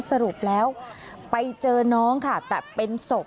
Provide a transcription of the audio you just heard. สรุปแล้วไปเจอน้องค่ะแต่เป็นศพ